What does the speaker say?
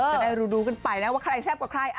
จะได้รู้ดูกันไปนะว่าคลายแทบกว่าใคร